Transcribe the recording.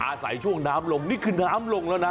อาศัยช่วงน้ำลงนี่คือน้ำลงแล้วนะ